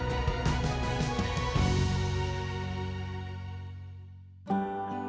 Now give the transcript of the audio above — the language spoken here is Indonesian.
versteowing to telah melulupkanidaya